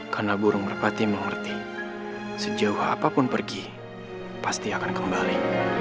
karena burung merpati mengerti sejauh apapun pergi pasti akan kembali